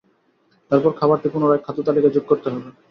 এরপর খাবারটি পুনরায় খাদ্য তালিকায় যোগ করতে হবে।